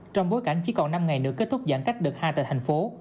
trong bối cảnh chỉ còn năm ngày nữa kết thúc giãn cách đợt hai tại thành phố